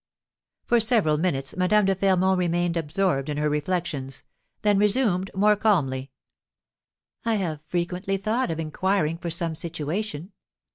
For several minutes Madame de Fermont remained absorbed in her reflections, then resumed more calmly: "I have frequently thought of inquiring for some situation.